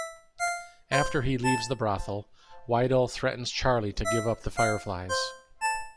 After he leaves the brothel, Wydell threatens Charlie to give up the Fireflys.